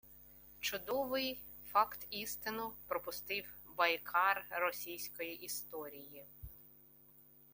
Чудовий факт-істину пропустив «байкар російської історії»